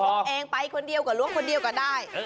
ล้วงเองไปคนเดียวก่อนล้วงคนเดียวก่อนได้